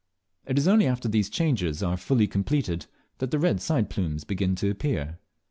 It is only after these changes are fully completed that the red side plumes begin to appear.